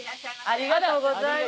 ありがとうございます。